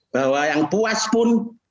bahwa yang puas pun